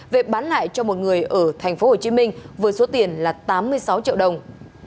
về bán lại cho một người ở tp hcm với số tiền là tám mươi sáu triệu đồng